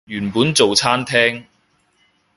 原本做餐廳